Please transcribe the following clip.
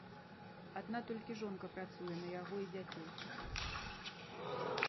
Адна толькі жонка працуе на яго і дзяцей.